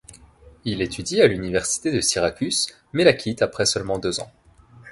Il étudie à l'Université de Syracuse, mais la quitte après seulement deux ans.